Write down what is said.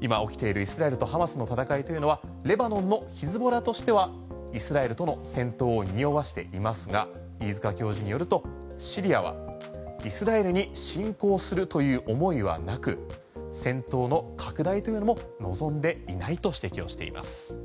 今起きている、イスラエルとハマスの戦いというのはレバノンのヒズボラとしてはイスラエルとの戦闘をにおわせていますが飯塚教授によるとシリアはイスラエルに侵攻するという思いはなく戦闘の拡大というのも望んでいないと指摘をしています。